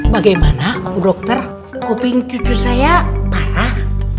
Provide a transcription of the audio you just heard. bagaimana dokter kuping cucu saya parah